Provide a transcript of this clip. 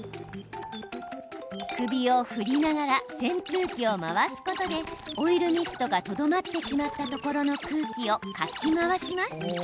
首を振りながら扇風機を回すことでオイルミストがとどまってしまったところの空気をかき回します。